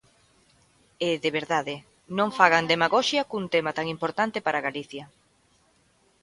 E, de verdade, non fagan demagoxia cun tema tan importante para Galicia.